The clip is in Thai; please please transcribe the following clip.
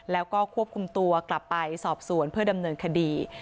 แล้วก็ควบคุมตัวกลับไปสอบสวนเพื่อดำเนินคดี